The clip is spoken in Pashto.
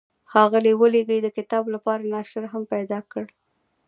ښاغلي ولیزي د کتاب لپاره ناشر هم پیدا کړ.